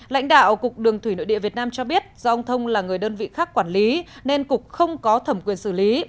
lãnh đạo cục đường thủy nội địa việt nam cho biết do ông thông là người đơn vị khác quản lý nên cục không có thẩm quyền xử lý